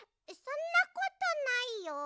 そんなことないよ。